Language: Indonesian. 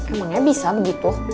emangnya bisa begitu